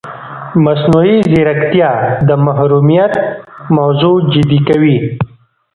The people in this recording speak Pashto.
مصنوعي ځیرکتیا د محرمیت موضوع جدي کوي.